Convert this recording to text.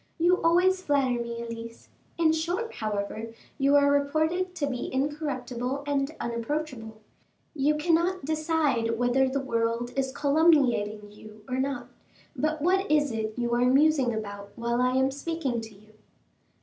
"You always flatter me, Elise. In short, however, you are reported to be incorruptible and unapproachable. You cannot decide whether the world is calumniating you or not; but what is it you are musing about while I am speaking to you?"